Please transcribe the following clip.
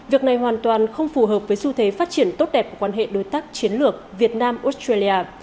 việc này hoàn toàn không phù hợp với xu thế phát triển tốt đẹp của quan hệ đối tác chiến lược việt nam australia